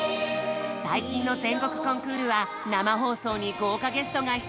最近の全国コンクールは生放送に豪華ゲストが出演！